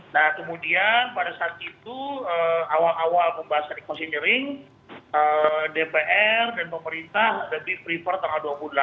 nah kemudian pada saat itu awal awal pembahasan di considering dpr dan pemerintah ada di prefer tanggal dua puluh delapan